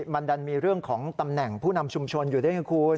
มันดันมีเรื่องของตำแหน่งผู้นำชุมชนอยู่ด้วยไงคุณ